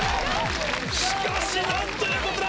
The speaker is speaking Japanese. しかし何ということだ！